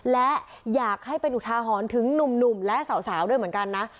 และอยากให้เป็นอุทาหรณ์ถึงหนุ่มและสาวด้วยเหมือนกันนะ